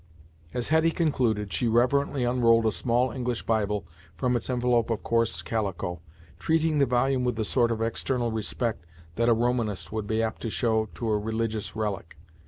As Hetty concluded, she reverently unrolled a small English Bible from its envelope of coarse calico, treating the volume with the sort of external respect that a Romanist would be apt to show to a religious relic.